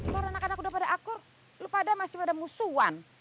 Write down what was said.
karena anak anak udah pada akur lo pada masih pada musuhan